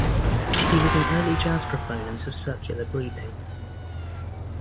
He was an early jazz proponent of circular breathing.